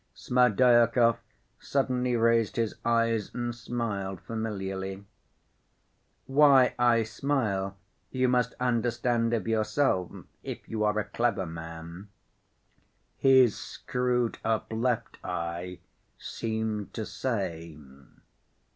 Smerdyakov suddenly raised his eyes and smiled familiarly. "Why I smile you must understand of yourself, if you are a clever man," his screwed‐up left eye seemed to say.